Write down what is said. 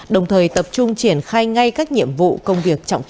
đồng thời tập trung triển khai ngay các nhiệm vụ công việc trọng tâm